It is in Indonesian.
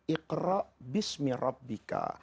iqra bismi rabbika